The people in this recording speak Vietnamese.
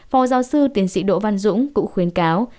phó giáo sư tiến sĩ đỗ văn dũng cũng khuyến cáo